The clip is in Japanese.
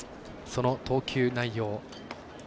その投球内容。